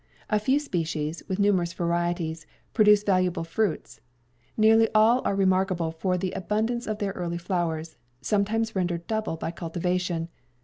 A few species, with numerous varieties, produce valuable fruits; nearly all are remarkable for the abundance of their early flowers, sometimes rendered double by cultivation.